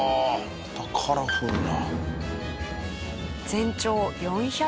またカラフルな。